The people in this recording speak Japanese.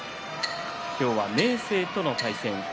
今日は明生との対戦です。